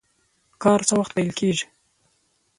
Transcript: کار څه وخت پیل کیږي؟